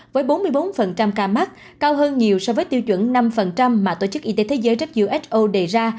với bốn mươi bốn ca mắc cao hơn nhiều so với tiêu chuẩn năm mà tổ chức y tế thế giới who đề ra